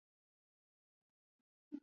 咸北线